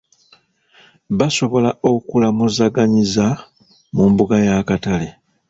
Basobola okulamuzaganyiza mu mbuga ya katale.